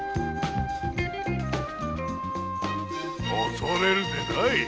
恐れるでない。